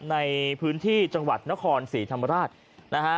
ในพื้นที่จังหวัดนครศรีธรรมราชนะฮะ